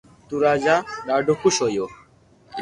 تو راجا ڌادو خوݾ ھويو